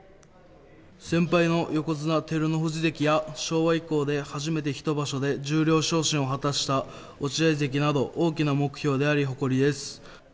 先輩の横綱・照ノ富士関や昭和以降初めて、１場所で十両昇進を果たした落合関など大きな目標であり誇りです。